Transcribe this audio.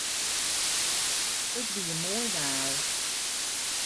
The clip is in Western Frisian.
It wie moai waar.